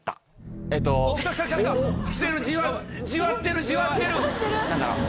じわってるじわってる。